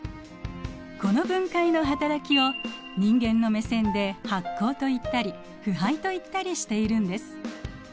この分解の働きを人間の目線で発酵といったり腐敗といったりしているんです。